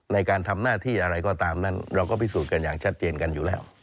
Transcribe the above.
ในการทำหน้าที่อะไรก็ตามนั้นเราก็พิสูจน์กันอย่างชัดเจนกันอยู่แล้ว